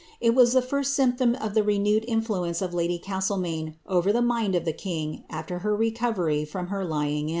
It was the first symptom of the renewed influence of lady Castlemaine over the mind of the king after her recover}* from her lying in.